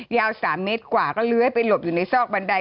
ยาว๓เมตรกว่าก็เลื้อยไปหลบอยู่ในซอกบันได